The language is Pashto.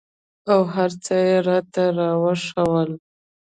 او هرڅه يې راته راوښوول.